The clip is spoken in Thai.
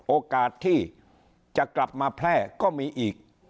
โอกาสที่จะกลับมาแพร่ก็มีอีก